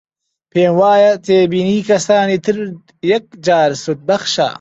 پێم وایە تێبینی کەسانی تر یەکجار سوودبەخشە